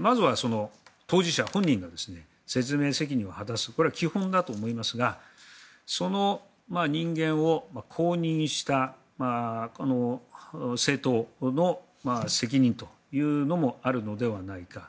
まずは当事者、本人が説明責任を果たすこれは基本だと思いますがその人間を公認した政党の責任というのもあるのではないかと。